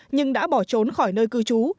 nhưng đã bỏ trốn khỏi nơi cư trú